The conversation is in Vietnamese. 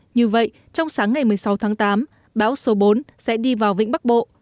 như vậy trong sáng ngày một mươi sáu tháng tám bão số bốn sẽ đi vào vĩnh bắc bộ